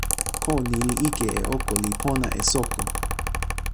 ko ni li ike e oko li pona e soko.